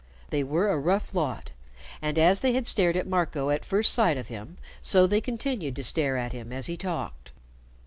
They were a rough lot, and as they had stared at Marco at first sight of him, so they continued to stare at him as he talked.